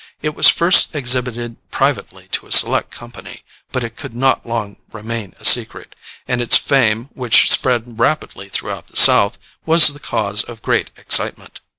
It was first exhibited privately to a select company, but it could not long remain a secret, and its fame, which spread rapidly throughout the South, was the cause of great excitement.